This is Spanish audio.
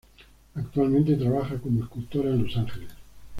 Actualmente, trabaja como escultora en Los Ángeles.